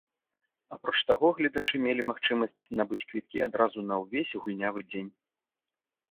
Апроч таго гледачы мелі магчымасць набыць квіткі адразу на ўвесь гульнявы дзень.